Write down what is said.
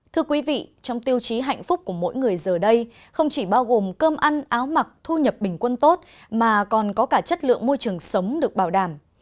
thưa quý vị trong tiêu chí hạnh phúc của mỗi người giờ đây không chỉ bao gồm cơm ăn áo mặc thu nhập bình quân tốt mà còn có cả chất lượng môi trường sống được bảo đảm